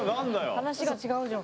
話が違うじゃん。